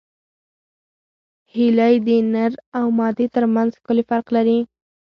هیلۍ د نر او مادې ترمنځ ښکلی فرق لري